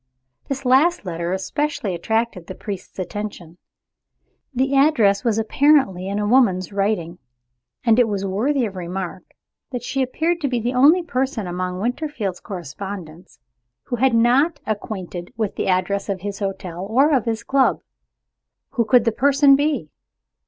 This last letter especially attracted the priest's attention. The address was apparently in a woman's handwriting. And it was worthy of remark that she appeared to be the only person among Winterfield's correspondents who was not acquainted with the address of his hotel or of his club. Who could the person be?